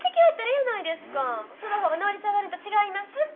その方が能率が上がるんと違います？